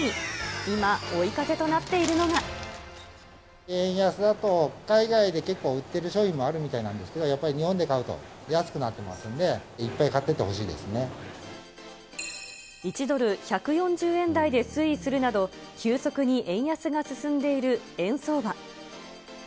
さらに今、円安だと、海外で結構売ってる商品もあるみたいなんですけど、やっぱり日本で買うと安くなってますんで、１ドル１４０円台で推移するなど、急速に円安が進んでいる円相場。